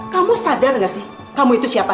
kamu sadar gak sih kamu itu siapa